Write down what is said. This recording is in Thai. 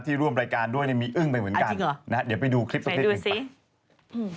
ที่ร่วมรายการด้วยมีอึ้งไปเหมือนกันนะเดี๋ยวไปดูคลิปประเภทหนึ่งไปอเรนนี่จริงเหรอไปดูสิ